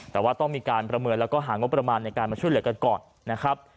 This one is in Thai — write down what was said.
แต่ว่าต้องมีการประเมินแล้วก็หางบประมาณในการมาช่วยเหลือกันก่อนนะครับ